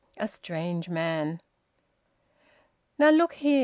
A strange man! "Now look here!"